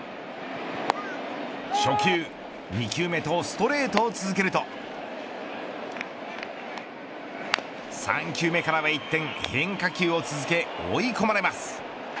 初球、２球目とストレートを続けると３球目からは一転変化球を続け、追い込まれます。